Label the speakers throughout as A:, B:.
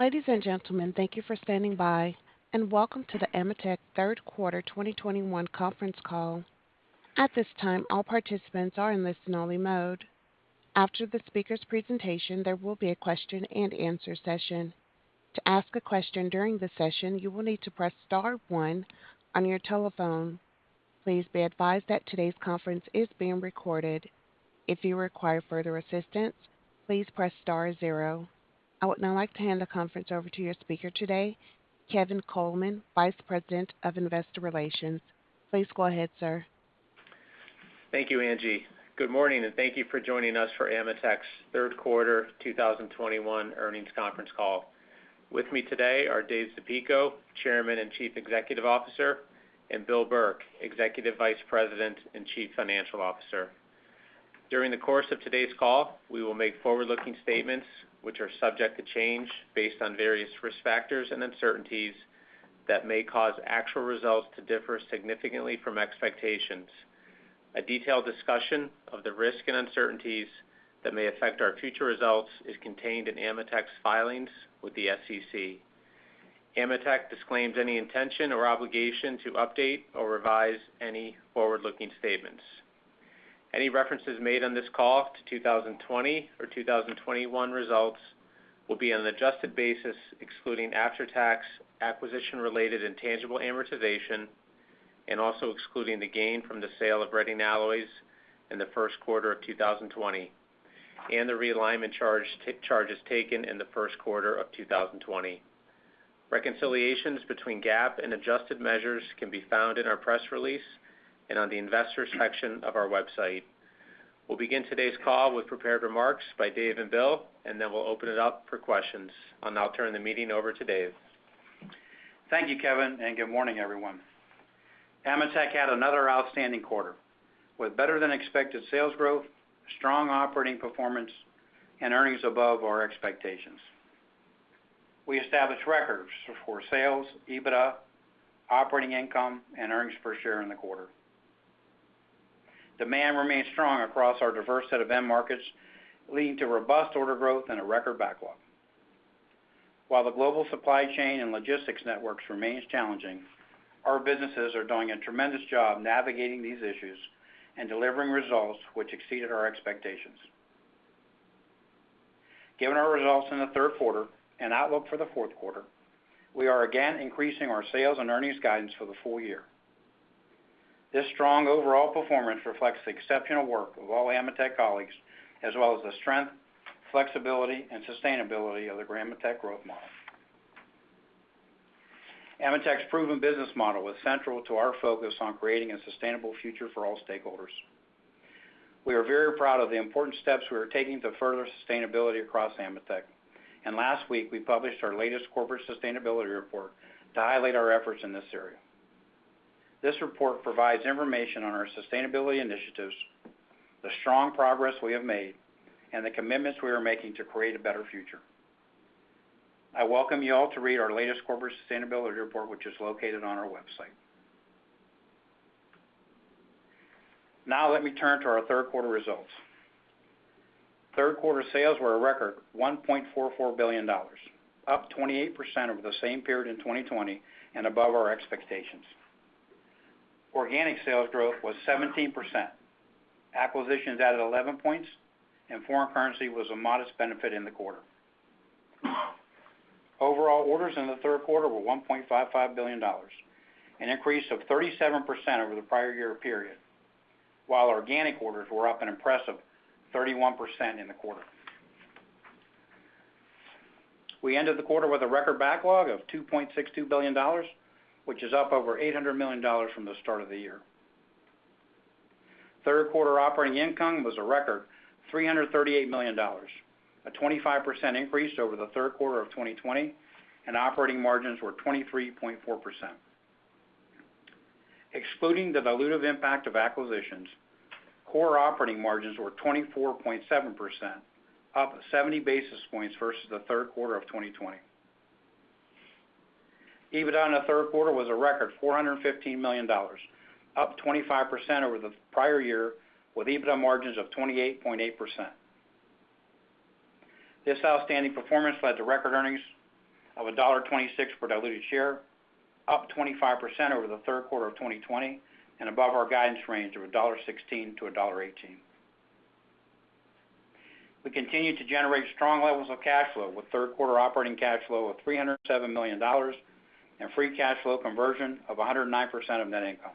A: Ladies and gentlemen, thank you for standing by, and welcome to the AMETEK third quarter 2021 conference call. At this time, all participants are in listen-only mode. After the speaker's presentation, there will be a question-and-answer session. To ask a question during the session, you will need to press star one on your telephone. Please be advised that today's conference is being recorded. If you require further assistance, please press star zero. I would now like to hand the conference over to your speaker today, Kevin Coleman, Vice President of Investor Relations. Please go ahead, sir.
B: Thank you, Angie. Good morning, and thank you for joining us for AMETEK's third quarter 2021 earnings conference call. With me today are Dave Zapico, Chairman and Chief Executive Officer, and Bill Burke, Executive Vice President and Chief Financial Officer. During the course of today's call, we will make forward-looking statements, which are subject to change based on various risk factors and uncertainties that may cause actual results to differ significantly from expectations. A detailed discussion of the risk and uncertainties that may affect our future results is contained in AMETEK's filings with the SEC. AMETEK disclaims any intention or obligation to update or revise any forward-looking statements. Any references made on this call to 2020 or 2021 results will be on an adjusted basis, excluding after-tax acquisition-related intangible amortization, and also excluding the gain from the sale of Reading Alloys in the first quarter of 2020, and the realignment charge, charges taken in the first quarter of 2020. Reconciliations between GAAP and adjusted measures can be found in our press release and on the Investors section of our website. We'll begin today's call with prepared remarks by Dave and Bill, and then we'll open it up for questions. I'll now turn the meeting over to Dave.
C: Thank you, Kevin, and good morning, everyone. AMETEK had another outstanding quarter, with better-than-expected sales growth, strong operating performance, and earnings above our expectations. We established records for sales, EBITDA, operating income, and earnings per share in the quarter. Demand remained strong across our diverse set of end markets, leading to robust order growth and a record backlog. While the global supply chain and logistics networks remains challenging, our businesses are doing a tremendous job navigating these issues and delivering results which exceeded our expectations. Given our results in the third quarter and outlook for the fourth quarter, we are again increasing our sales and earnings guidance for the full year. This strong overall performance reflects the exceptional work of all AMETEK colleagues, as well as the strength, flexibility, and sustainability of the AMETEK growth model. AMETEK's proven business model is central to our focus on creating a sustainable future for all stakeholders. We are very proud of the important steps we are taking to further sustainability across AMETEK, and last week, we published our latest corporate sustainability report to highlight our efforts in this area. This report provides information on our sustainability initiatives, the strong progress we have made, and the commitments we are making to create a better future. I welcome you all to read our latest corporate sustainability report, which is located on our website. Now let me turn to our third quarter results. Third quarter sales were a record $1.44 billion, up 28% over the same period in 2020 and above our expectations. Organic sales growth was 17%. Acquisitions added 11 points, and foreign currency was a modest benefit in the quarter. Overall orders in the third quarter were $1.55 billion, an increase of 37% over the prior year period, while organic orders were up an impressive 31% in the quarter. We ended the quarter with a record backlog of $2.62 billion, which is up over $800 million from the start of the year. Third quarter operating income was a record $338 million, a 25% increase over the third quarter of 2020, and operating margins were 23.4%. Excluding the dilutive impact of acquisitions, core operating margins were 24.7%, up 70 basis points versus the third quarter of 2020. EBITDA in the third quarter was a record $415 million, up 25% over the prior year, with EBITDA margins of 28.8%. This outstanding performance led to record earnings of $1.26 per diluted share, up 25% over the third quarter of 2020 and above our guidance range of $1.16-$1.18. We continue to generate strong levels of cash flow, with third-quarter operating cash flow of $307 million and free cash flow conversion of 109% of net income.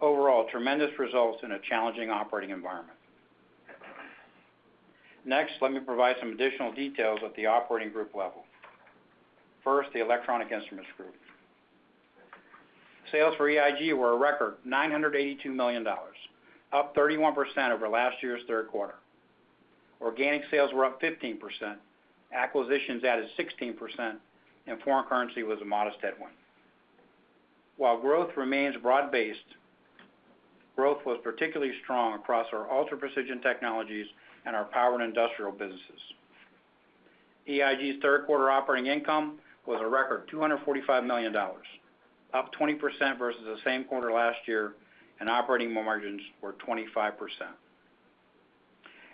C: Overall, tremendous results in a challenging operating environment. Next, let me provide some additional details at the operating group level. First, the Electronic Instruments Group. Sales for EIG were a record $982 million, up 31% over last year's third quarter. Organic sales were up 15%, acquisitions added 16%, and foreign currency was a modest headwind. While growth remains broad-based, growth was particularly strong across our Ultra Precision Technologies and our power and industrial businesses. EIG's third quarter operating income was a record $245 million, up 20% versus the same quarter last year, and operating margins were 25%.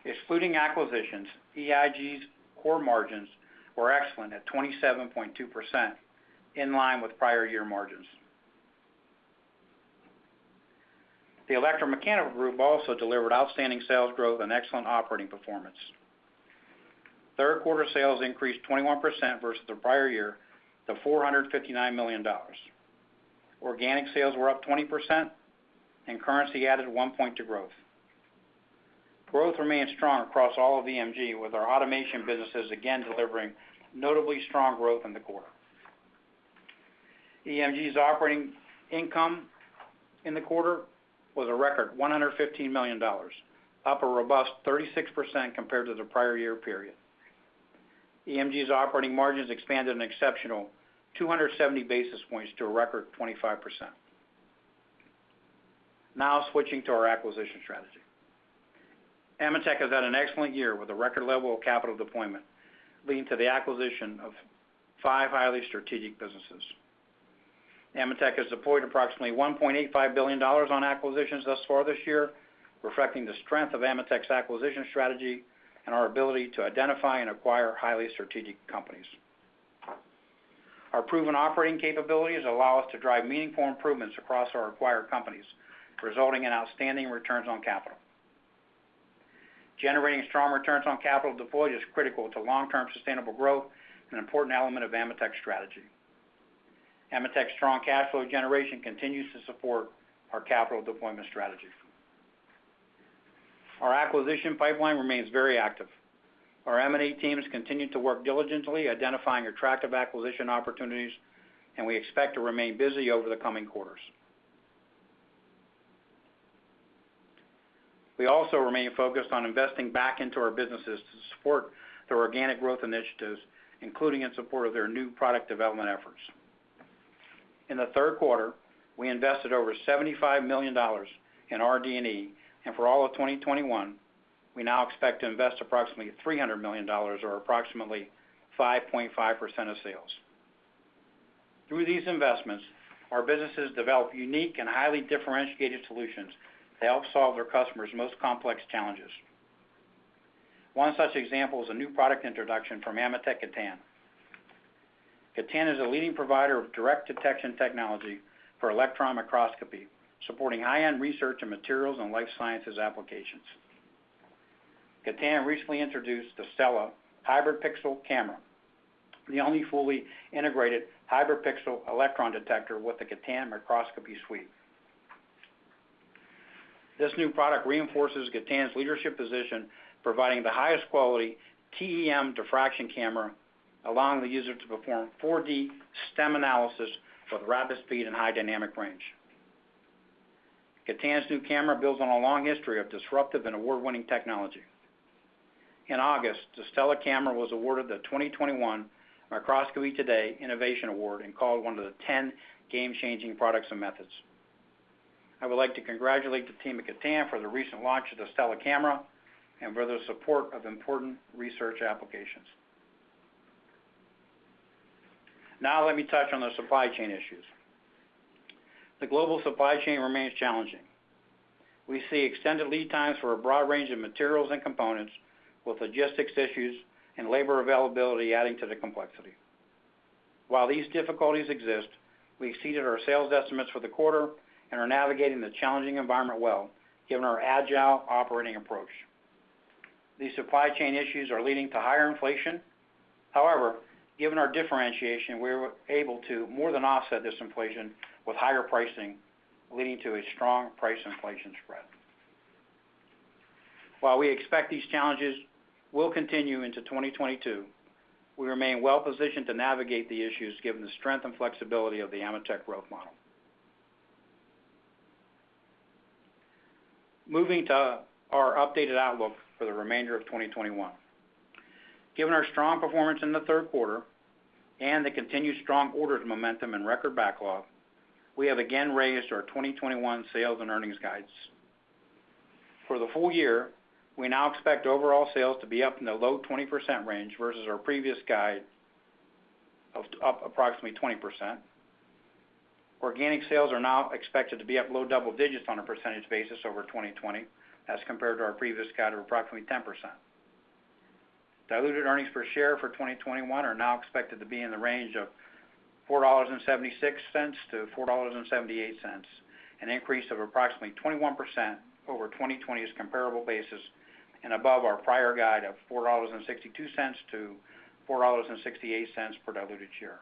C: Excluding acquisitions, EIG's core margins were excellent at 27.2%, in line with prior year margins. The Electromechanical Group also delivered outstanding sales growth and excellent operating performance. Third quarter sales increased 21% versus the prior year to $459 million. Organic sales were up 20% and currency added 1% to growth. Growth remained strong across all of EMG, with our automation businesses again delivering notably strong growth in the quarter. EMG's operating income in the quarter was a record $115 million, up a robust 36% compared to the prior year period. EMG's operating margins expanded an exceptional 270 basis points to a record 25%. Now switching to our acquisition strategy. AMETEK has had an excellent year with a record level of capital deployment, leading to the acquisition of five highly strategic businesses. AMETEK has deployed approximately $1.85 billion on acquisitions thus far this year, reflecting the strength of AMETEK's acquisition strategy and our ability to identify and acquire highly strategic companies. Our proven operating capabilities allow us to drive meaningful improvements across our acquired companies, resulting in outstanding returns on capital. Generating strong returns on capital deployed is critical to long-term sustainable growth, an important element of AMETEK's strategy. AMETEK's strong cash flow generation continues to support our capital deployment strategy. Our acquisition pipeline remains very active. Our M&A teams continue to work diligently identifying attractive acquisition opportunities, and we expect to remain busy over the coming quarters. We also remain focused on investing back into our businesses to support their organic growth initiatives, including in support of their new product development efforts. In the third quarter, we invested over $75 million in RD&E, and for all of 2021, we now expect to invest approximately $300 million or approximately 5.5% of sales. Through these investments, our businesses develop unique and highly differentiated solutions to help solve their customers' most complex challenges. One such example is a new product introduction from AMETEK Gatan. Gatan is a leading provider of direct detection technology for electron microscopy, supporting high-end research in materials and life sciences applications. Gatan recently introduced the Stela Hybrid-Pixel Camera, the only fully integrated hybrid pixel electron detector with a Gatan Microscopy Suite. This new product reinforces Gatan's leadership position, providing the highest quality TEM diffraction camera, allowing the user to perform 4D STEM analysis with rapid speed and high dynamic range. Gatan's new camera builds on a long history of disruptive and award-winning technology. In August, the Stela Camera was awarded the 2021 Microscopy Today Innovation Award and called one of the 10 game-changing products and methods. I would like to congratulate the team at Gatan for the recent launch of the Stela Camera and for their support of important research applications. Now let me touch on the supply chain issues. The global supply chain remains challenging. We see extended lead times for a broad range of materials and components, with logistics issues and labor availability adding to the complexity. While these difficulties exist, we exceeded our sales estimates for the quarter and are navigating the challenging environment well given our agile operating approach. These supply chain issues are leading to higher inflation. However, given our differentiation, we were able to more than offset this inflation with higher pricing, leading to a strong price inflation spread. While we expect these challenges will continue into 2022, we remain well positioned to navigate the issues given the strength and flexibility of the AMETEK growth model. Moving to our updated outlook for the remainder of 2021. Given our strong performance in the third quarter and the continued strong orders momentum and record backlog, we have again raised our 2021 sales and earnings guides. For the full year, we now expect overall sales to be up in the low 20% range versus our previous guide of up approximately 20%. Organic sales are now expected to be up low double digits on a percentage basis over 2020 as compared to our previous guide of approximately 10%. Diluted earnings per share for 2021 are now expected to be in the range of $4.76-$4.78, an increase of approximately 21% over 2020's comparable basis, and above our prior guide of $4.62-$4.68 per diluted share.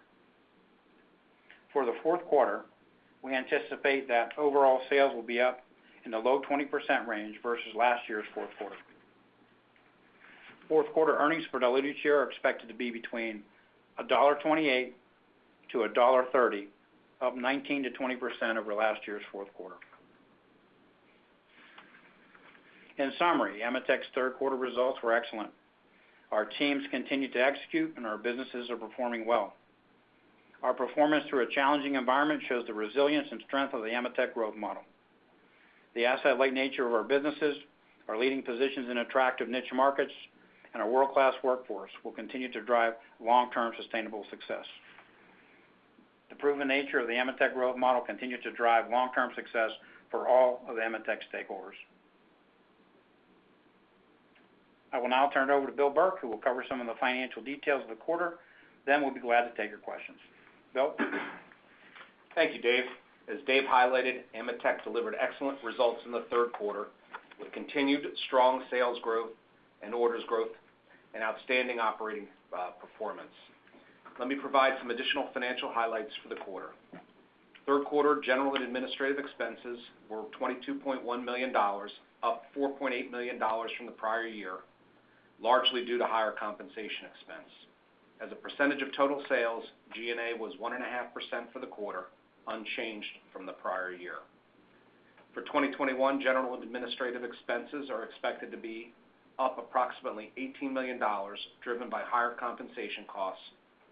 C: For the fourth quarter, we anticipate that overall sales will be up in the low 20% range versus last year's fourth quarter. Fourth quarter earnings per diluted share are expected to be between $1.28-$1.30, up 19%-20% over last year's fourth quarter. In summary, AMETEK's third quarter results were excellent. Our teams continue to execute and our businesses are performing well. Our performance through a challenging environment shows the resilience and strength of the AMETEK growth model. The asset-light nature of our businesses, our leading positions in attractive niche markets, and our world-class workforce will continue to drive long-term sustainable success. The proven nature of the AMETEK growth model continued to drive long-term success for all of AMETEK stakeholders. I will now turn it over to Bill Burke, who will cover some of the financial details of the quarter, then we'll be glad to take your questions. Bill.
D: Thank you, Dave. As Dave highlighted, AMETEK delivered excellent results in the third quarter, with continued strong sales growth and orders growth and outstanding operating performance. Let me provide some additional financial highlights for the quarter. Third quarter general and administrative expenses were $22.1 million, up $4.8 million from the prior year, largely due to higher compensation expense. As a percentage of total sales, G&A was 1.5% for the quarter, unchanged from the prior year. For 2021, general and administrative expenses are expected to be up approximately $18 million, driven by higher compensation costs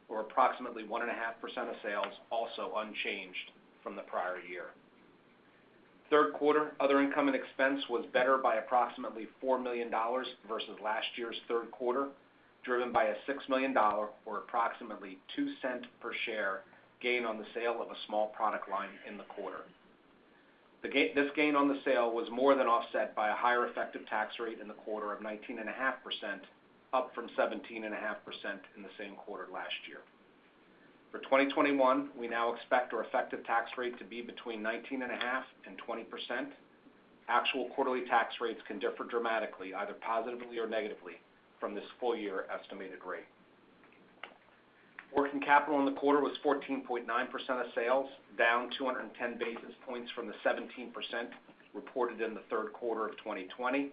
D: or approximately 1.5% of sales, also unchanged from the prior year. Third quarter other income and expense was better by approximately $4 million versus last year's third quarter, driven by a $6 million or approximately $0.02 per share gain on the sale of a small product line in the quarter. This gain on the sale was more than offset by a higher effective tax rate in the quarter of 19.5%, up from 17.5% in the same quarter last year. For 2021, we now expect our effective tax rate to be between 19.5% and 20%. Actual quarterly tax rates can differ dramatically, either positively or negatively, from this full year estimated rate. Working capital in the quarter was 14.9% of sales, down 210 basis points from the 17% reported in the third quarter of 2020,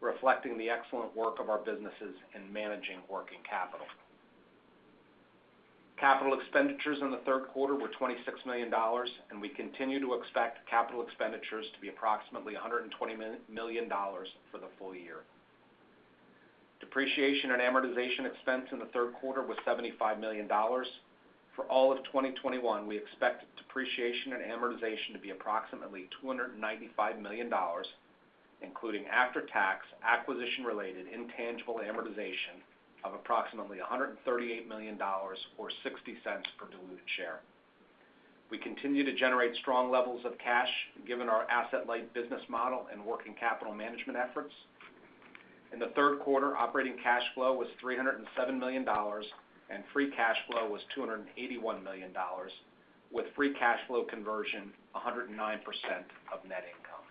D: reflecting the excellent work of our businesses in managing working capital. Capital expenditures in the third quarter were $26 million, and we continue to expect capital expenditures to be approximately $120 million for the full year. Depreciation and amortization expense in the third quarter was $75 million. For all of 2021, we expect depreciation and amortization to be approximately $295 million, including after-tax acquisition-related intangible amortization of approximately $138 million or $0.60 per diluted share. We continue to generate strong levels of cash given our asset-light business model and working capital management efforts. In the third quarter, operating cash flow was $307 million, and free cash flow was $281 million, with free cash flow conversion 109% of net income.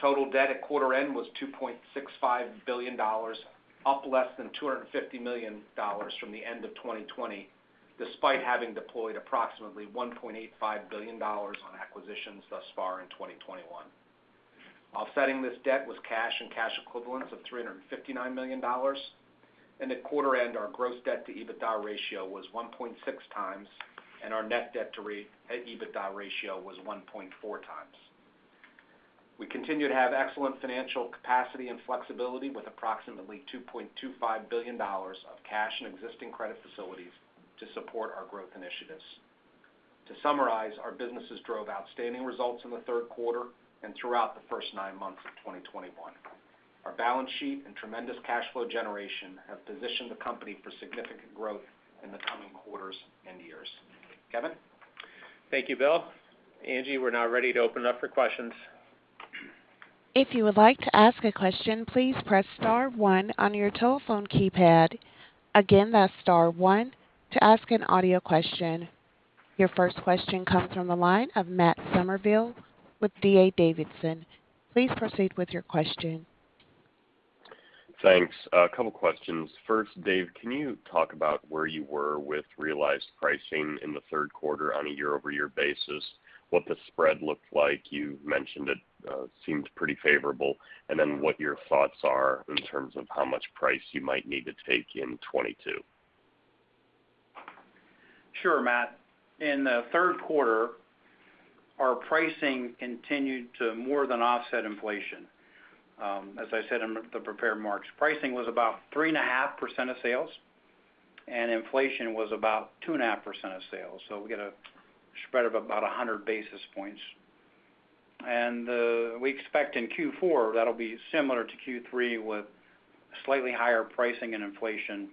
D: Total debt at quarter end was $2.65 billion, up less than $250 million from the end of 2020, despite having deployed approximately $1.85 billion on acquisitions thus far in 2021. Offsetting this debt was cash and cash equivalents of $359 million. At quarter end, our gross debt to EBITDA ratio was 1.6 times, and our net debt to EBITDA ratio was 1.4 times. We continue to have excellent financial capacity and flexibility with approximately $2.25 billion of cash and existing credit facilities to support our growth initiatives. To summarize, our businesses drove outstanding results in the third quarter and throughout the first nine months of 2021. Our balance sheet and tremendous cash flow generation have positioned the company for significant growth in the coming quarters and years. Kevin?
B: Thank you, Bill. Angie, we're now ready to open it up for questions.
A: Your first question comes from the line of Matt Summerville with D.A. Davidson. Please proceed with your question.
E: Thanks. A couple questions. First, Dave, can you talk about where you were with realized pricing in the third quarter on a year-over-year basis, what the spread looked like? You mentioned it seemed pretty favorable. What your thoughts are in terms of how much price you might need to take in 2022.
C: Sure, Matt. In the third quarter, our pricing continued to more than offset inflation. As I said in the prepared remarks, pricing was about 3.5% of sales, and inflation was about 2.5% of sales. We get a spread of about 100 basis points. We expect in Q4 that'll be similar to Q3 with slightly higher pricing and inflation.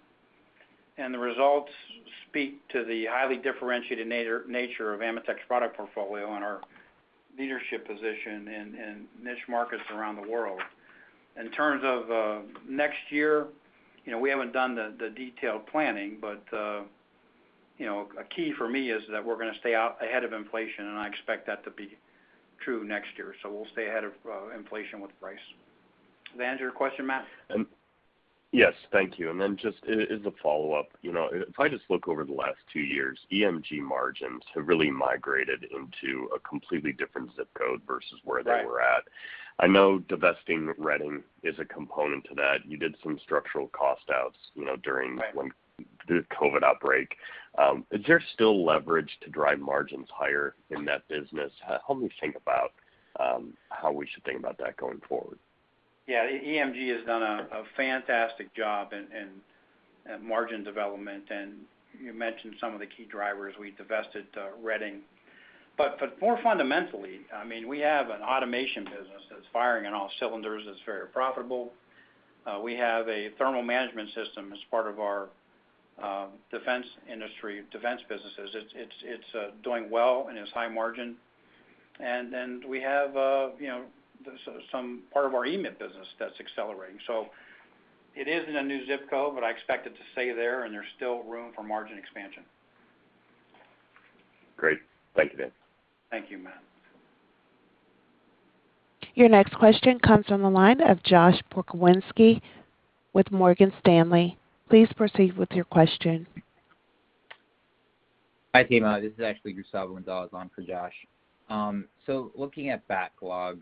C: The results speak to the highly differentiated nature of AMETEK's product portfolio and our leadership position in niche markets around the world. In terms of next year, you know, we haven't done the detailed planning, but you know, a key for me is that we're gonna stay out ahead of inflation, and I expect that to be true next year. We'll stay ahead of inflation with price. Does that answer your question, Matt?
E: Yes, thank you. Just as a follow-up, you know, if I just look over the last two years, EMG margins have really migrated into a completely different ZIP Code versus where they were at.
C: Right.
E: I know divesting Reading is a component to that. You did some structural cost outs, you know, during-
C: Right.
E: When the COVID outbreak, is there still leverage to drive margins higher in that business? Help me think about how we should think about that going forward.
C: Yeah, EMG has done a fantastic job in margin development. You mentioned some of the key drivers. We divested Reading. More fundamentally, I mean, we have an automation business that's firing on all cylinders. It's very profitable. We have a thermal management system as part of our defense businesses. It's doing well, and it's high margin. Then we have, you know, some part of our EMG business that's accelerating. It is in a new ZIP code, but I expect it to stay there, and there's still room for margin expansion.
E: Great. Thank you, Dave.
C: Thank you, Matt.
A: Your next question comes from the line of Joshua Pokrzywinski with Morgan Stanley. Please proceed with your question.
F: Hi, team. This is actually Gustavo Gonzalez on for Josh. Looking at backlog,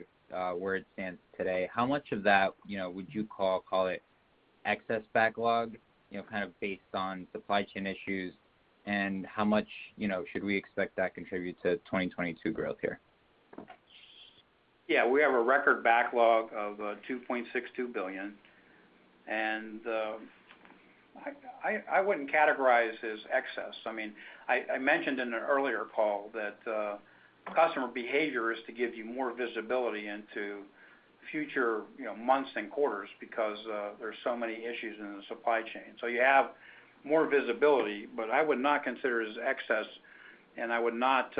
F: where it stands today, how much of that, you know, would you call it excess backlog, you know, kind of based on supply chain issues? How much, you know, should we expect that contribute to 2022 growth here?
C: Yeah. We have a record backlog of $2.62 billion. I wouldn't categorize as excess. I mean, I mentioned in an earlier call that customer behavior is to give you more visibility into future, you know, months and quarters because there's so many issues in the supply chain. You have more visibility, but I would not consider it as excess, and I would not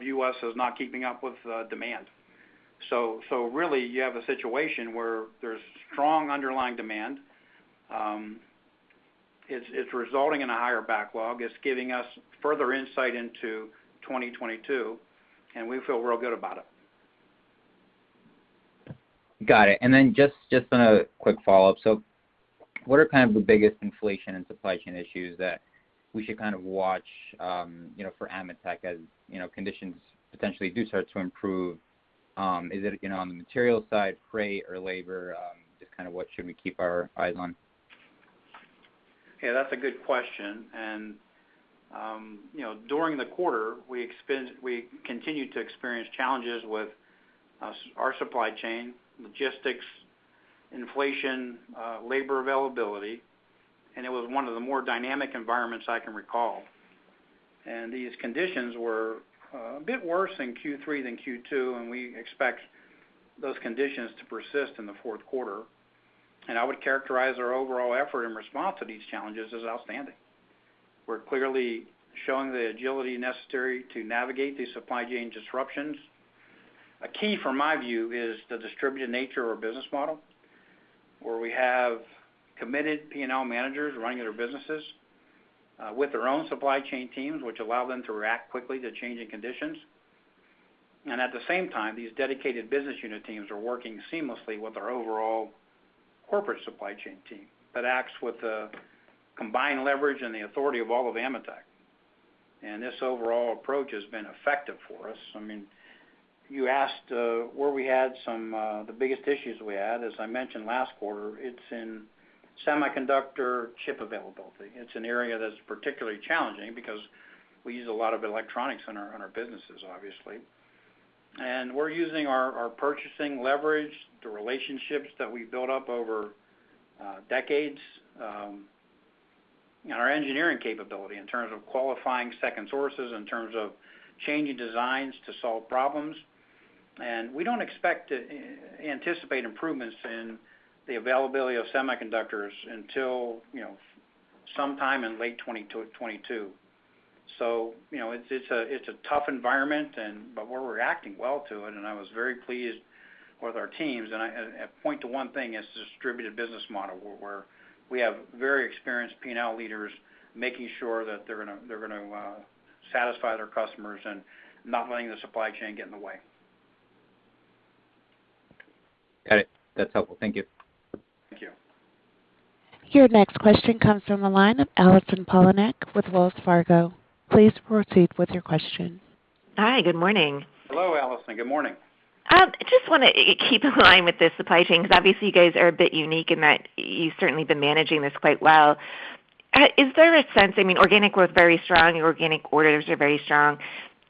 C: view us as not keeping up with demand. Really you have a situation where there's strong underlying demand. It's resulting in a higher backlog. It's giving us further insight into 2022, and we feel real good about it.
F: Got it. Just a quick follow-up. What are kind of the biggest inflation and supply chain issues that we should kind of watch for AMETEK as conditions potentially do start to improve? Is it on the material side, freight or labor? Just kind of what should we keep our eyes on?
C: Yeah, that's a good question. You know, during the quarter, we continued to experience challenges with our supply chain, logistics, inflation, labor availability, and it was one of the more dynamic environments I can recall. These conditions were a bit worse in Q3 than Q2, and we expect those conditions to persist in the fourth quarter. I would characterize our overall effort and response to these challenges as outstanding. We're clearly showing the agility necessary to navigate these supply chain disruptions. A key from my view is the distributed nature of our business model, where we have committed P&L managers running their businesses with their own supply chain teams, which allow them to react quickly to changing conditions. At the same time, these dedicated business unit teams are working seamlessly with our overall corporate supply chain team that acts with the combined leverage and the authority of all of AMETEK. This overall approach has been effective for us. I mean, you asked where we had some of the biggest issues we had. As I mentioned last quarter, it's in semiconductor chip availability. It's an area that's particularly challenging because we use a lot of electronics in our businesses, obviously. We're using our purchasing leverage, the relationships that we've built up over decades, and our engineering capability in terms of qualifying second sources, in terms of changing designs to solve problems. We don't anticipate improvements in the availability of semiconductors until, you know, sometime in late 2021 to 2022. You know, it's a tough environment, but we're reacting well to it, and I was very pleased with our teams. I point to one thing is the distributed business model where we have very experienced P&L leaders making sure that they're gonna satisfy their customers and not letting the supply chain get in the way.
F: Got it. That's helpful. Thank you.
C: Thank you.
A: Your next question comes from the line of Allison Poliniak with Wells Fargo. Please proceed with your question.
G: Hi. Good morning.
C: Hello, Allison. Good morning.
G: Just wanna keep in line with the supply chain, because obviously you guys are a bit unique in that you certainly been managing this quite well. Is there a sense, I mean, organic growth very strong, your organic orders are very strong.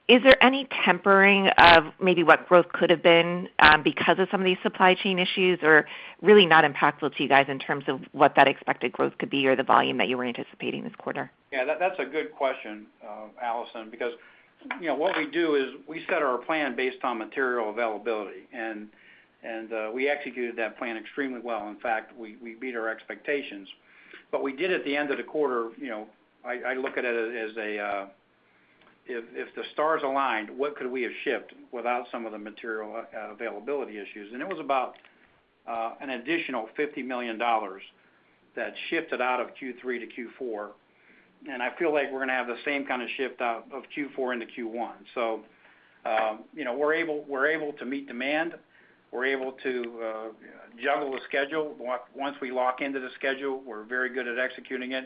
G: Is there any tempering of maybe what growth could have been, because of some of these supply chain issues or really not impactful to you guys in terms of what that expected growth could be or the volume that you were anticipating this quarter?
C: Yeah. That's a good question, Allison, because, you know, what we do is we set our plan based on material availability, and we executed that plan extremely well. In fact, we beat our expectations. We did at the end of the quarter, you know, I look at it as a, if the stars aligned, what could we have shipped without some of the material availability issues? It was about an additional $50 million that shifted out of Q3 to Q4, and I feel like we're gonna have the same kind of shift out of Q4 into Q1. You know, we're able to meet demand. We're able to juggle the schedule. Once we lock into the schedule, we're very good at executing it.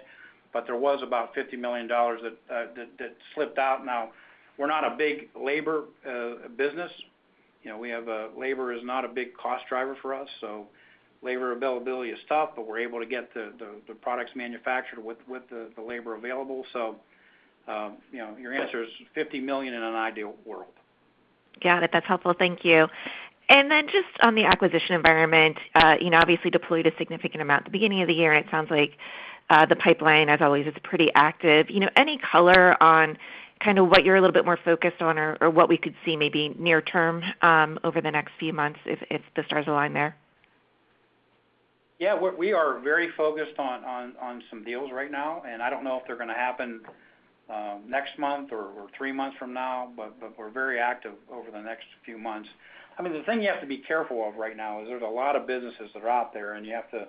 C: There was about $50 million that slipped out. Now, we're not a big labor business. You know, labor is not a big cost driver for us, so labor availability is tough, but we're able to get the products manufactured with the labor available. You know, your answer is $50 million in an ideal world.
G: Got it. That's helpful. Thank you. Just on the acquisition environment, you know, obviously deployed a significant amount at the beginning of the year. It sounds like, the pipeline, as always, is pretty active. You know, any color on kind of what you're a little bit more focused on or what we could see maybe near term, over the next few months if the stars align there?
C: Yeah. We are very focused on some deals right now, and I don't know if they're gonna happen next month or three months from now, but we're very active over the next few months. I mean, the thing you have to be careful of right now is there's a lot of businesses that are out there, and you have to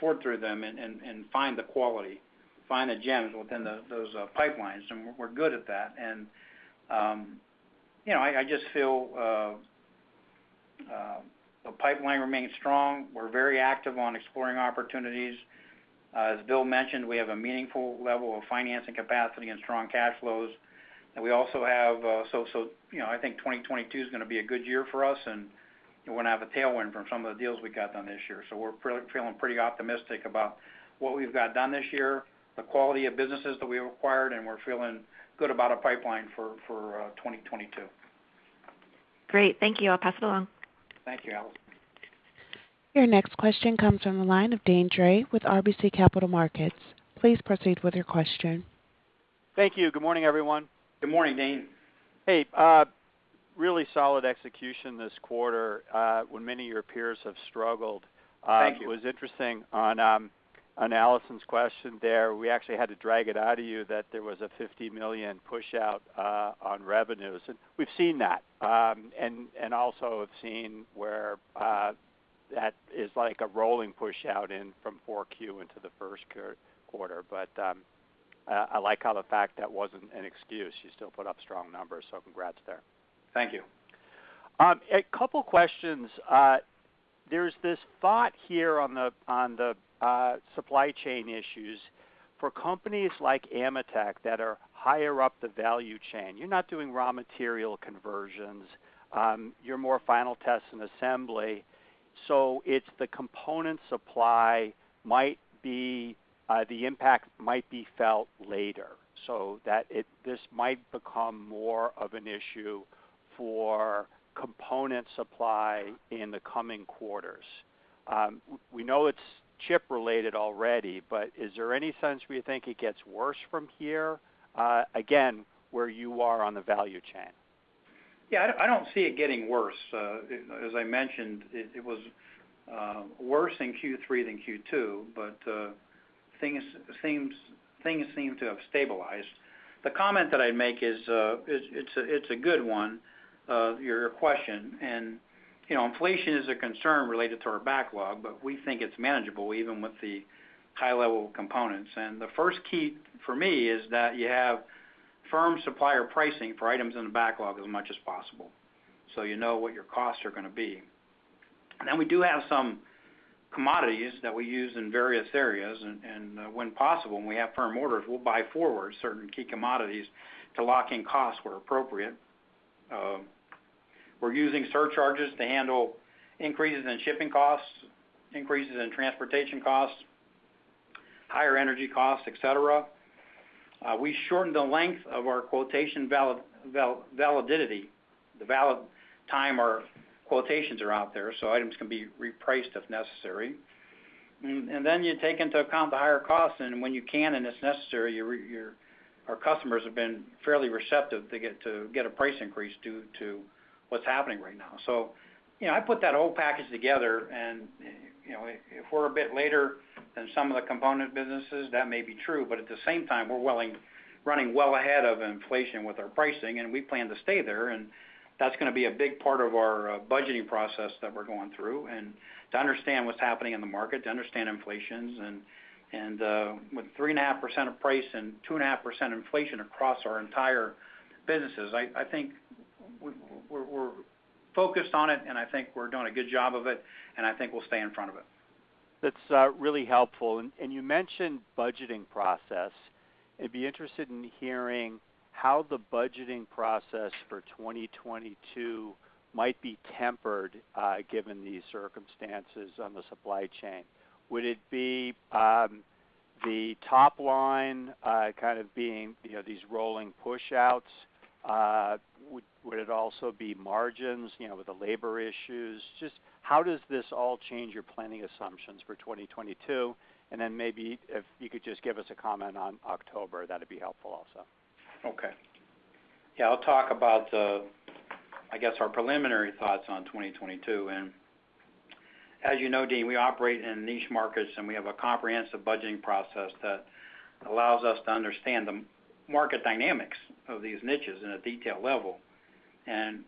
C: sort through them and find the quality, find the gems within those pipelines, and we're good at that. You know, I just feel the pipeline remains strong. We're very active on exploring opportunities. As Bill mentioned, we have a meaningful level of financing capacity and strong cash flows, and we also have- You know, I think 2022 is gonna be a good year for us, and we're gonna have a tailwind from some of the deals we got done this year. We're feeling pretty optimistic about what we've got done this year, the quality of businesses that we acquired, and we're feeling good about our pipeline for 2022.
G: Great. Thank you. I'll pass it along.
C: Thank you, Allison.
A: Your next question comes from the line of Deane Dray with RBC Capital Markets. Please proceed with your question.
H: Thank you. Good morning, everyone.
C: Good morning, Deane.
H: Hey. Really solid execution this quarter, when many of your peers have struggled.
C: Thank you.
H: It was interesting on Allison's question there. We actually had to drag it out of you that there was a $50 million push-out on revenues, and we've seen that. We also have seen where that is like a rolling push-out from 4Q into the first quarter. I like how the fact that wasn't an excuse. You still put up strong numbers, so congrats there.
C: Thank you.
H: A couple questions. There's this thought here on the supply chain issues for companies like AMETEK that are higher up the value chain. You're not doing raw material conversions. You're more final test and assembly, so the component supply might be where the impact might be felt later so that it, this might become more of an issue for component supply in the coming quarters. We know it's chip related already, but is there any sense where you think it gets worse from here, again, where you are on the value chain?
C: Yeah. I don't see it getting worse. As I mentioned, it was worse in Q3 than Q2, but things seem to have stabilized. The comment that I'd make is, it's a good one, your question. You know, inflation is a concern related to our backlog, but we think it's manageable even with the high level components. The first key for me is that you have firm supplier pricing for items in the backlog as much as possible so you know what your costs are gonna be. Then we do have some commodities that we use in various areas and when possible, when we have firm orders, we'll buy forward certain key commodities to lock in costs where appropriate. We're using surcharges to handle increases in shipping costs, increases in transportation costs, higher energy costs, et cetera. We shortened the length of our quotation validity, the valid time our quotations are out there so items can be repriced if necessary. You take into account the higher costs, and when you can and it's necessary, our customers have been fairly receptive to get a price increase due to what's happening right now. You know, I put that whole package together, and, you know, if we're a bit later than some of the component businesses, that may be true, but at the same time, we're running well ahead of inflation with our pricing, and we plan to stay there. That's gonna be a big part of our budgeting process that we're going through and to understand what's happening in the market, to understand inflation and with 3.5% pricing and 2.5% inflation across our entire businesses. I think we're focused on it, and I think we're doing a good job of it, and I think we'll stay in front of it.
H: That's really helpful. You mentioned budgeting process. I'd be interested in hearing how the budgeting process for 2022 might be tempered, given these circumstances on the supply chain. Would it be the top line, kind of being, you know, these rolling push-outs? Would it also be margins, you know, with the labor issues? Just how does this all change your planning assumptions for 2022? Then maybe if you could just give us a comment on October, that'd be helpful also.
C: Okay. Yeah, I'll talk about the, I guess, our preliminary thoughts on 2022. As you know, Deane, we operate in niche markets, and we have a comprehensive budgeting process that allows us to understand the market dynamics of these niches in a detailed level.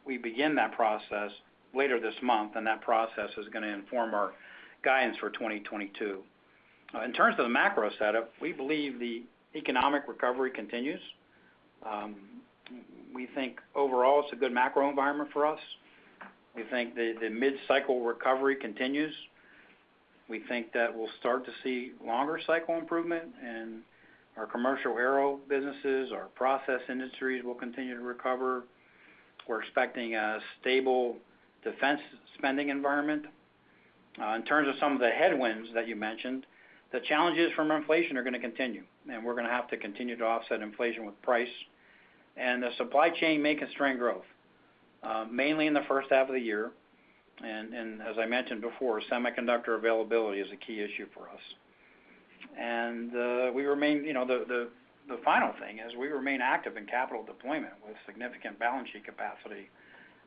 C: We begin that process later this month, and that process is gonna inform our guidance for 2022. In terms of the macro setup, we believe the economic recovery continues. We think overall it's a good macro environment for us. We think the mid-cycle recovery continues. We think that we'll start to see longer cycle improvement in our commercial aero businesses. Our process industries will continue to recover. We're expecting a stable defense spending environment. In terms of some of the headwinds that you mentioned, the challenges from inflation are gonna continue, and we're gonna have to continue to offset inflation with price. The supply chain may constrain growth, mainly in the first half of the year. As I mentioned before, semiconductor availability is a key issue for us. You know, the final thing is we remain active in capital deployment with significant balance sheet capacity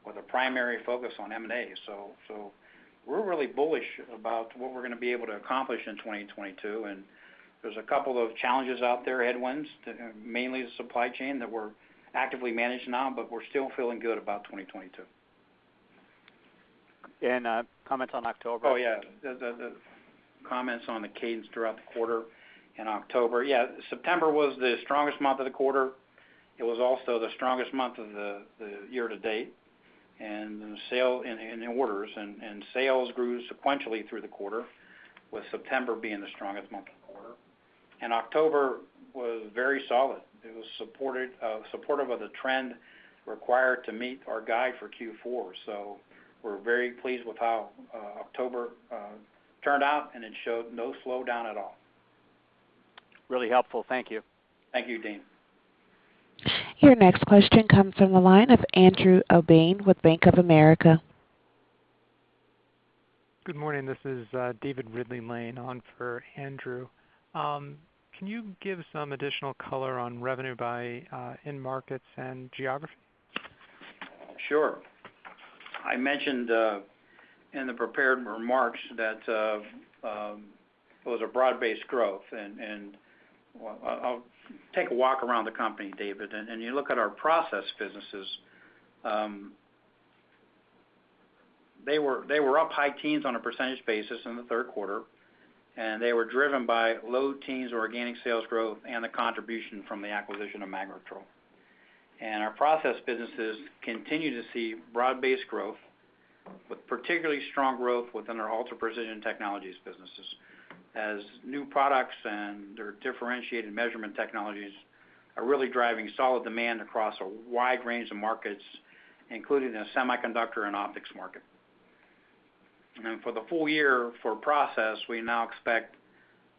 C: with a primary focus on M&A. We're really bullish about what we're gonna be able to accomplish in 2022, and there's a couple of challenges out there, headwinds, mainly the supply chain that we're actively managing now, but we're still feeling good about 2022.
H: Comment on October.
C: Oh, yeah. The comments on the cadence throughout the quarter in October. Yeah, September was the strongest month of the quarter. It was also the strongest month of the year to date, and in the orders. Sales grew sequentially through the quarter, with September being the strongest month of the quarter. October was very solid. It was supportive of the trend required to meet our guide for Q4. We're very pleased with how October turned out, and it showed no slowdown at all.
H: Really helpful. Thank you.
C: Thank you, Deane.
A: Your next question comes from the line of Andrew Obin with Bank of America.
I: Good morning. This is David Ridley-Lane on for Andrew. Can you give some additional color on revenue by end markets and geography?
C: Sure. I mentioned in the prepared remarks that it was a broad-based growth. I'll take a walk around the company, David. You look at our process businesses, they were up high teens% on a percentage basis in the third quarter, and they were driven by low teens% organic sales growth and the contribution from the acquisition of Magnetrol. Our process businesses continue to see broad-based growth, with particularly strong growth within our Ultra Precision Technologies businesses as new products and their differentiated measurement technologies are really driving solid demand across a wide range of markets, including the semiconductor and optics market. For the full year for process, we now expect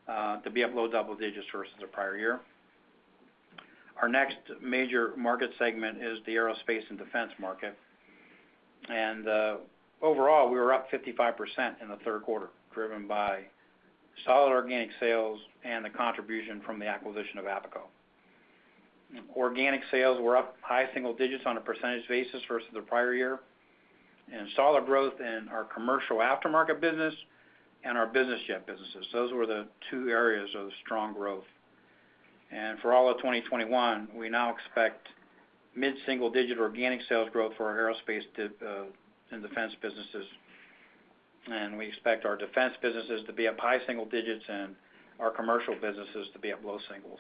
C: to be up low double digits versus the prior year. Our next major market segment is the aerospace and defense market. Overall, we were up 55% in the third quarter, driven by solid organic sales and the contribution from the acquisition of Abaco. Organic sales were up high single digits on a percentage basis versus the prior year, and solid growth in our commercial aftermarket business and our business jet businesses. Those were the two areas of strong growth. For all of 2021, we now expect mid-single digit organic sales growth for our aerospace and defense businesses. We expect our defense businesses to be up high single digits and our commercial businesses to be up low single.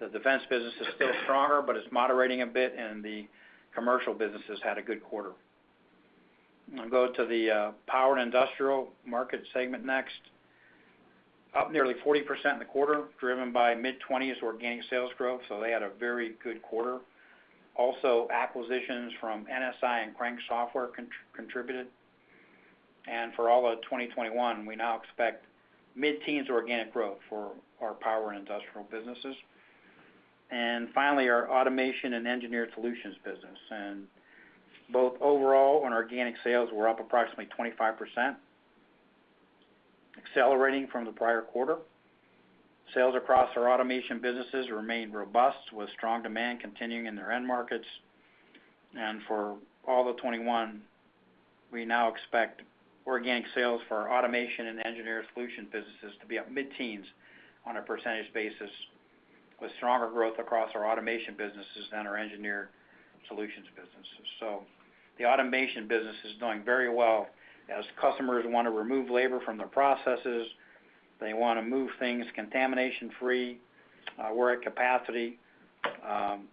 C: The defense business is still stronger, but it's moderating a bit, and the commercial business has had a good quarter. I'll go to the power and industrial market segment next. Up nearly 40% in the quarter, driven by mid-20s organic sales growth, so they had a very good quarter. Acquisitions from NSI and Crank Software contributed. For all of 2021, we now expect mid-teens organic growth for our power and industrial businesses. Finally, our automation and engineered solutions business. Both overall and organic sales were up approximately 25%, accelerating from the prior quarter. Sales across our automation businesses remained robust, with strong demand continuing in their end markets. For all of 2021, we now expect organic sales for our automation and engineered solution businesses to be up mid-teens%, with stronger growth across our automation businesses than our engineered solutions businesses. The automation business is doing very well as customers wanna remove labor from their processes. They wanna move things contamination-free. We're at capacity.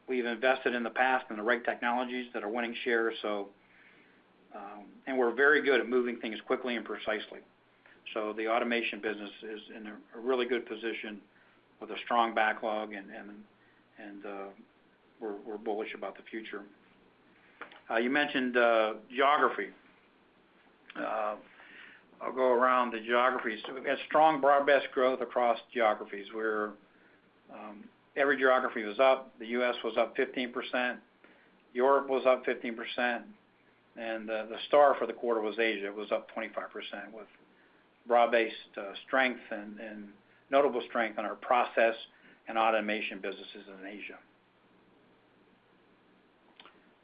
C: We've invested in the past in the right technologies that are winning share, so, and we're very good at moving things quickly and precisely. The automation business is in a really good position with a strong backlog and we're bullish about the future. You mentioned geography. I'll go around the geographies. We've had strong broad-based growth across geographies, where every geography was up. The U.S. was up 15%. Europe was up 15%. The star for the quarter was Asia. It was up 25% with broad-based strength and notable strength in our process and automation businesses in Asia.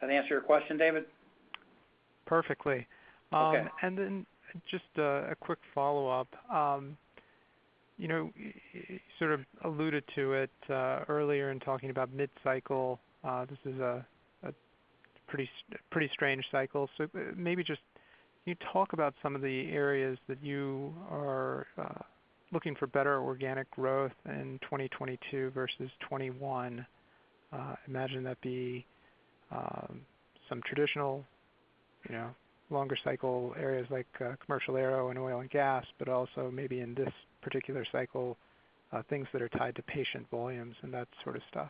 C: Does that answer your question, David?
I: Perfectly.
C: Okay.
I: Just a quick follow-up. You know, you sort of alluded to it earlier in talking about mid-cycle. This is a pretty strange cycle. Maybe just can you talk about some of the areas that you are looking for better organic growth in 2022 versus 2021? I imagine that'd be some traditional, you know, longer cycle areas like commercial aero and oil and gas, but also maybe in this particular cycle, things that are tied to patient volumes and that sort of stuff.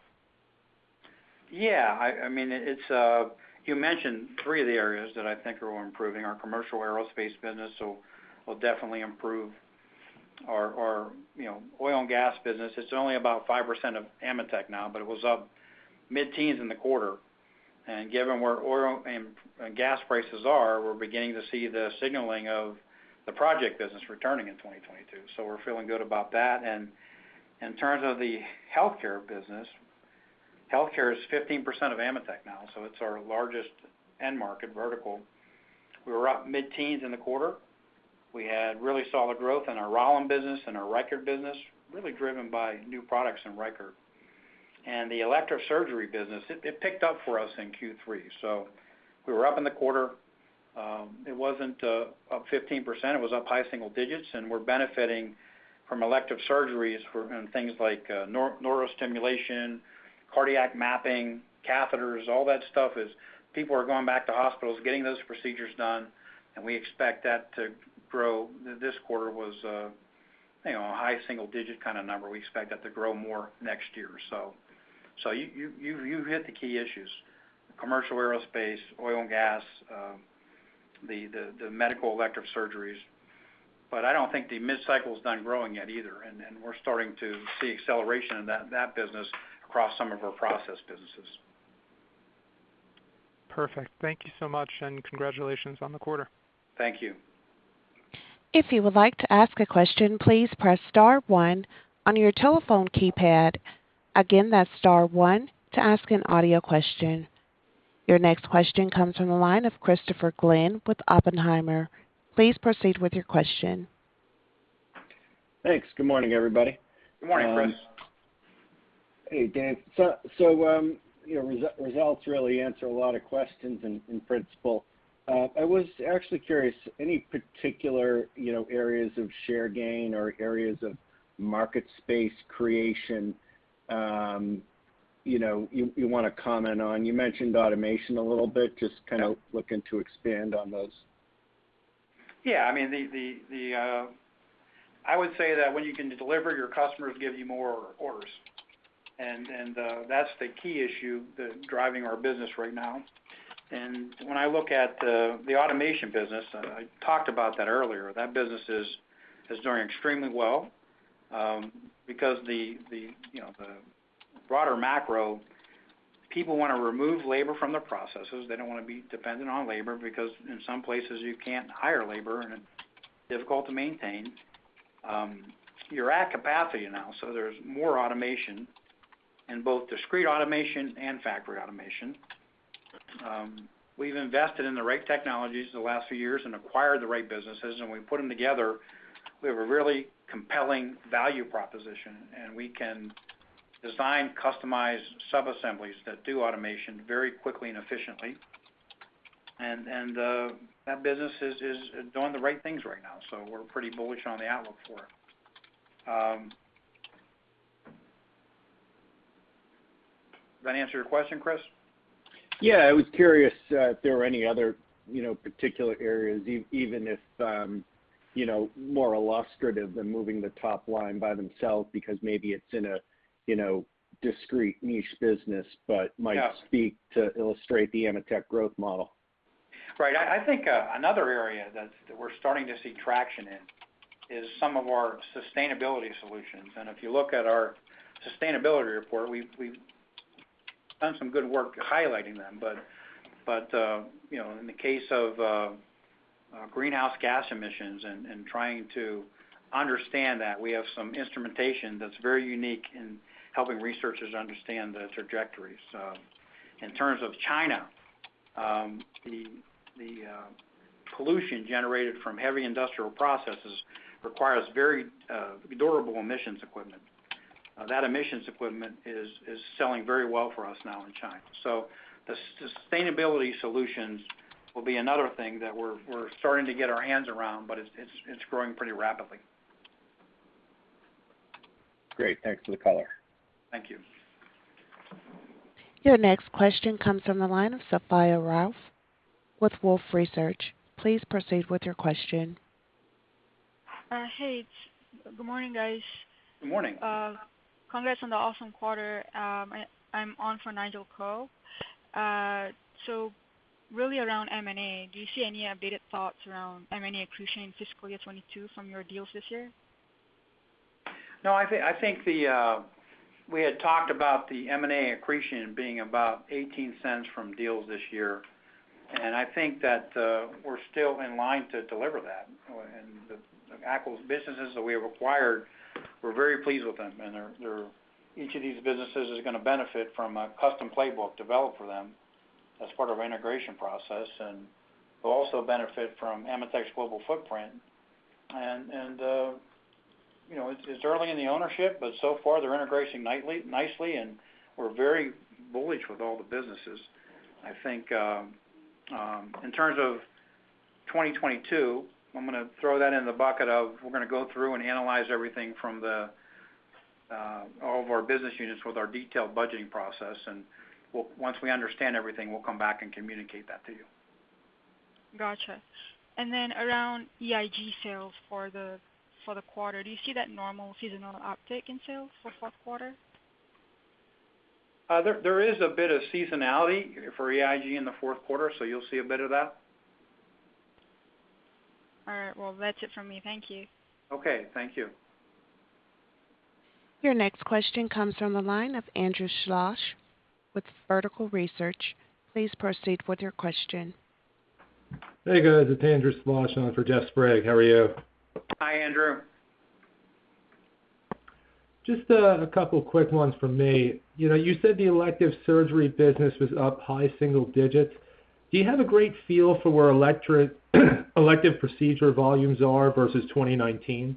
C: Yeah. I mean, it's you mentioned three of the areas that I think are improving. Our commercial aerospace business will definitely improve. Our you know, oil and gas business. It's only about 5% of AMETEK now, but it was up mid-teens% in the quarter. Given where oil and gas prices are, we're beginning to see the signaling of the project business returning in 2022. We're feeling good about that. In terms of the healthcare business, healthcare is 15% of AMETEK now, so it's our largest end market vertical. We were up mid-teens% in the quarter. We had really solid growth in our Rauland business and our Reichert business, really driven by new products in Reichert. The elective surgery business, it picked up for us in Q3. We were up in the quarter. It wasn't up 15%, it was up high single digits, and we're benefiting from elective surgeries and things like neurostimulation, cardiac mapping, catheters. All that stuff is people are going back to hospitals, getting those procedures done, and we expect that to grow. This quarter was, you know, a high single-digit kind of number. We expect that to grow more next year. You hit the key issues, commercial aerospace, oil and gas, the medical elective surgeries. But I don't think the mid-cycle is done growing yet either. We're starting to see acceleration in that business across some of our process businesses.
I: Perfect. Thank you so much, and congratulations on the quarter.
C: Thank you.
A: If you would like to ask a question, please press star one on your telephone keypad. Again, that's star one to ask an audio question. Your next question comes from the line of Christopher Glynn with Oppenheimer. Please proceed with your question.
J: Thanks. Good morning, everybody.
C: Good morning, Chris.
J: Hey, Dave. Results really answer a lot of questions in principle. I was actually curious, any particular, you know, areas of share gain or areas of market space creation, you know, you wanna comment on? You mentioned automation a little bit, just kind of looking to expand on those.
C: I mean, I would say that when you can deliver, your customers give you more orders. That's the key issue driving our business right now. When I look at the automation business, I talked about that earlier. That business is doing extremely well, because you know, the broader macro, people wanna remove labor from their processes. They don't wanna be dependent on labor because in some places you can't hire labor, and it's difficult to maintain. You're at capacity now, so there's more automation in both discrete automation and factory automation. We've invested in the right technologies the last few years and acquired the right businesses, and we put them together. We have a really compelling value proposition, and we can design customized sub-assemblies that do automation very quickly and efficiently. That business is doing the right things right now, so we're pretty bullish on the outlook for it. Does that answer your question, Chris?
J: Yeah. I was curious if there were any other, you know, particular areas, even if, you know, more illustrative than moving the top line by themselves because maybe it's in a, you know, discrete niche business, but might-
C: Yeah.
J: Speak to illustrate the AMETEK growth model.
C: Right. I think another area that we're starting to see traction in is some of our sustainability solutions. If you look at our sustainability report, we've done some good work highlighting them. You know, in the case of greenhouse gas emissions and trying to understand that, we have some instrumentation that's very unique in helping researchers understand the trajectory. In terms of China, the pollution generated from heavy industrial processes requires very durable emissions equipment. That emissions equipment is selling very well for us now in China. The sustainability solutions will be another thing that we're starting to get our hands around, but it's growing pretty rapidly.
J: Great. Thanks for the color.
C: Thank you.
A: Your next question comes from the line of [Safa Rashtchy] with Wolfe Research. Please proceed with your question.
K: Hey. Good morning, guys.
C: Good morning.
K: Congrats on the awesome quarter. I'm on for Nigel Coe. Really around M&A, do you see any updated thoughts around M&A accretion in fiscal year 2022 from your deals this year?
C: No. We had talked about the M&A accretion being about $0.18 from deals this year. We're still in line to deliver that. The Abaco businesses that we have acquired, we're very pleased with them. Each of these businesses is gonna benefit from a custom playbook developed for them as part of our integration process, and will also benefit from AMETEK's global footprint. You know, it's early in the ownership, but so far, they're integrating nicely, and we're very bullish with all the businesses. In terms of 2022, I'm gonna throw that in the bucket of we're gonna go through and analyze everything from all of our business units with our detailed budgeting process. Once we understand everything, we'll come back and communicate that to you.
K: Gotcha. Around EIG sales for the quarter, do you see that normal seasonal uptick in sales for fourth quarter?
C: There is a bit of seasonality for EIG in the fourth quarter, so you'll see a bit of that.
K: All right, well, that's it for me. Thank you.
C: Okay. Thank you.
A: Your next question comes from the line of Andrew Shlosh with Vertical Research. Please proceed with your question.
L: Hey, guys. It's Andrew Shlosh on for Jeff Sprague. How are you?
C: Hi, Andrew.
L: Just, a couple quick ones from me. You know, you said the elective surgery business was up high single digits. Do you have a great feel for where elective procedure volumes are versus 2019?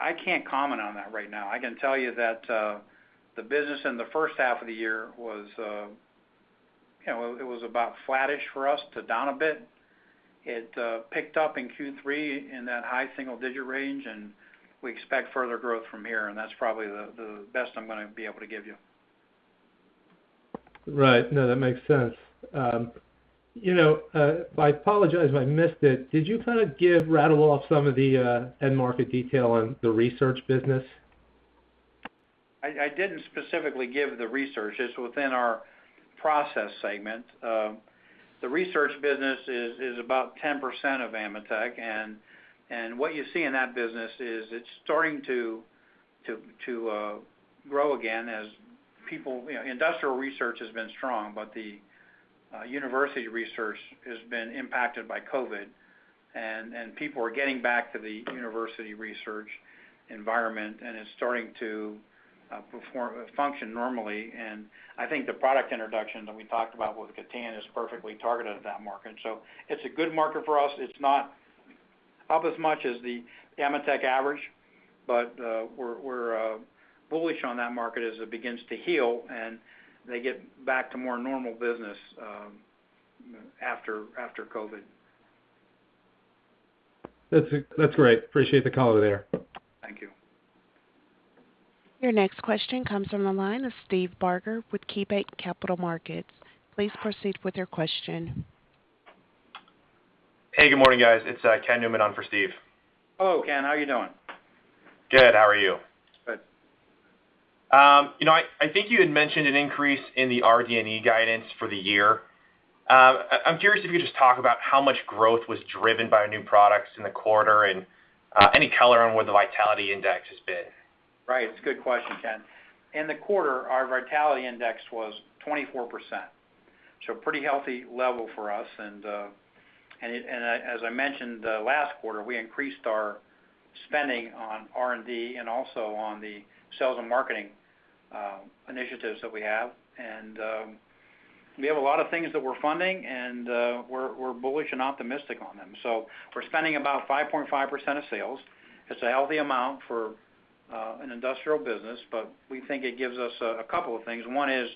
C: I can't comment on that right now. I can tell you that the business in the first half of the year was, you know, it was about flattish for us to down a bit. It picked up in Q3 in that high single digit range, and we expect further growth from here, and that's probably the best I'm gonna be able to give you.
L: Right. No, that makes sense. You know, I apologize if I missed it. Did you kind of rattle off some of the end market detail on the research business?
C: I didn't specifically give the research. It's within our process segment. The research business is about 10% of AMETEK. What you see in that business is it's starting to grow again. You know, industrial research has been strong, but the university research has been impacted by COVID. People are getting back to the university research environment, and it's starting to function normally. I think the product introductions that we talked about with Gatan is perfectly targeted at that market. It's a good market for us. It's not up as much as the AMETEK average, but we're bullish on that market as it begins to heal, and they get back to more normal business after COVID.
L: That's great. Appreciate the color there.
C: Thank you.
A: Your next question comes from the line of Steve Barger with KeyBanc Capital Markets. Please proceed with your question.
M: Hey, good morning, guys. It's Ken Newman on for Steve.
C: Hello, Ken. How are you doing?
M: Good. How are you?
C: Good.
M: You know, I think you had mentioned an increase in the RD&E guidance for the year. I'm curious if you could just talk about how much growth was driven by new products in the quarter and any color on where the vitality index has been.
C: Right. It's a good question, Ken. In the quarter, our vitality index was 24%, so pretty healthy level for us. As I mentioned last quarter, we increased our spending on R&D and also on the sales and marketing initiatives that we have. We have a lot of things that we're funding, and we're bullish and optimistic on them. We're spending about 5.5% of sales. It's a healthy amount for an industrial business, but we think it gives us a couple of things. One is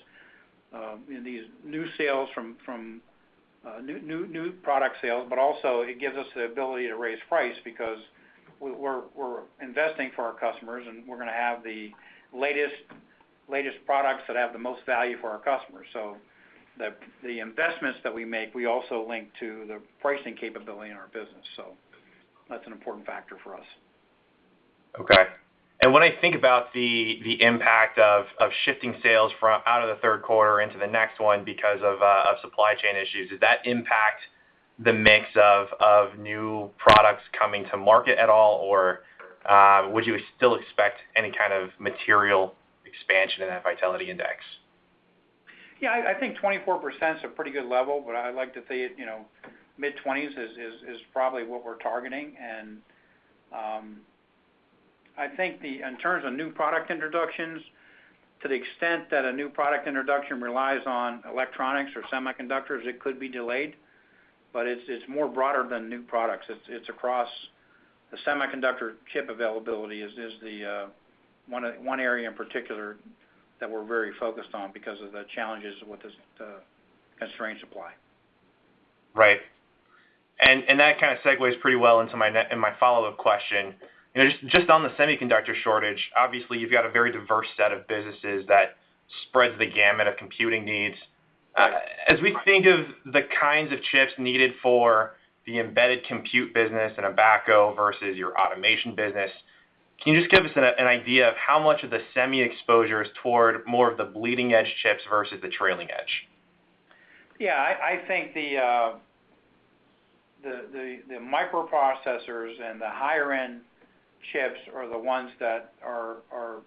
C: these new sales from new product sales, but also it gives us the ability to raise price because we're investing for our customers, and we're gonna have the latest products that have the most value for our customers. The investments that we make, we also link to the pricing capability in our business. That's an important factor for us.
M: Okay. When I think about the impact of shifting sales out of the third quarter into the next one because of supply chain issues, does that impact the mix of new products coming to market at all? Or would you still expect any kind of material expansion in that vitality index?
C: Yeah. I think 24% is a pretty good level, but I like to see it, you know, mid-20s is probably what we're targeting. In terms of new product introductions, to the extent that a new product introduction relies on electronics or semiconductors, it could be delayed, but it's more broader than new products. It's across the semiconductor chip availability is the one area in particular that we're very focused on because of the challenges with this constrained supply.
M: Right. That kind of segues pretty well into my follow-up question. You know, just on the semiconductor shortage, obviously you've got a very diverse set of businesses that spreads the gamut of computing needs. As we think of the kinds of chips needed for the embedded compute business in Abaco versus your automation business, can you just give us an idea of how much of the semi exposure is toward more of the bleeding edge chips versus the trailing edge?
C: I think the microprocessors and the higher-end chips are the ones that are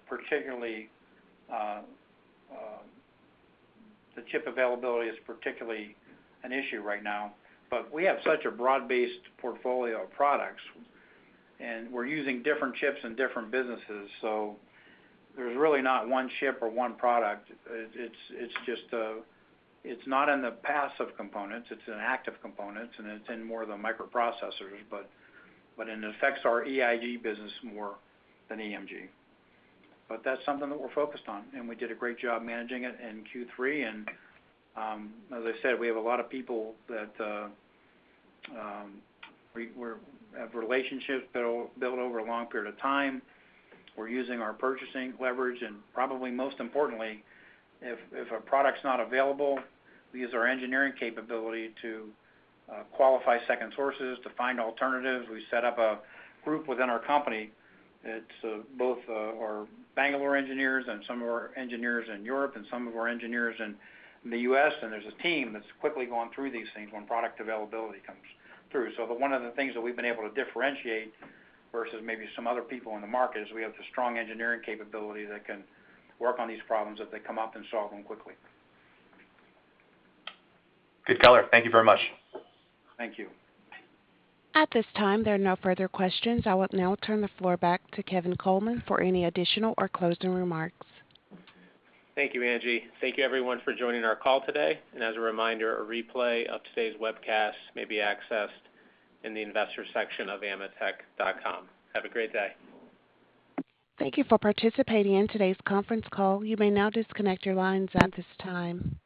C: particularly. The chip availability is particularly an issue right now. We have such a broad-based portfolio of products, and we're using different chips in different businesses, so there's really not one chip or one product. It's not in the passive components, it's in active components, and it's in more of the microprocessors, but it affects our EIG business more than EMG. That's something that we're focused on, and we did a great job managing it in Q3. As I said, we have a lot of people that have relationships built over a long period of time. We're using our purchasing leverage. Probably most importantly, if a product's not available, we use our engineering capability to qualify second sources to find alternatives. We set up a group within our company. It's both our Bangalore engineers and some of our engineers in Europe and some of our engineers in the U.S., and there's a team that's quickly going through these things when product availability comes through. One of the things that we've been able to differentiate versus maybe some other people in the market is we have the strong engineering capability that can work on these problems as they come up and solve them quickly.
M: Good color. Thank you very much.
C: Thank you.
A: At this time, there are no further questions. I will now turn the floor back to Kevin Coleman for any additional or closing remarks.
B: Thank you, Angie. Thank you everyone for joining our call today. As a reminder, a replay of today's webcast may be accessed in the investor section of ametek.com. Have a great day.
A: Thank you for participating in today's conference call. You may now disconnect your lines at this time.